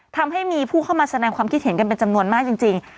ทำให้มีผู้เข้ามาแสดงความคิดเห็นกันเป็นจำนวนมากจริง